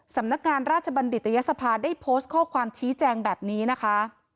สำนักงานราชบัณฑิตยศภาได้โพสต์ข้อความชี้แจงแบบนี้นะคะ